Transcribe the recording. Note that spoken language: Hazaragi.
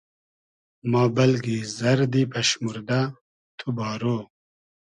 ما بئلگی زئردی پئشموردۂ , تو بارۉ